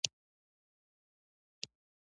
دوی غنم کرل.